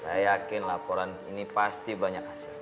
saya yakin laporan ini pasti banyak hasil